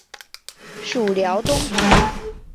属辽东郡。